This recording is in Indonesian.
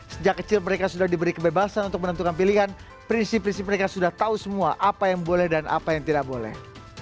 sejak kecil mereka sudah diberi kebebasan untuk menentukan pilihan prinsip prinsip mereka sudah tahu semua apa yang boleh dan apa yang tidak boleh